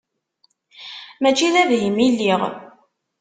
Mačči d abhim i lliɣ.